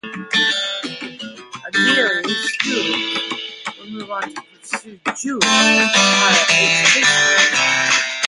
Ideally, these students would move on to pursue Jewish higher education.